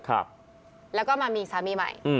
ครับแล้วก็มามีสามีใหม่